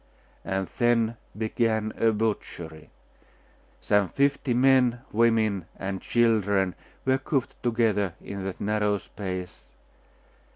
And then began a butchery.... Some fifty men, women, and children were cooped together in that narrow space....